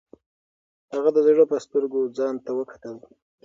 هغه د زړه په سترګو ځان ته وکتل.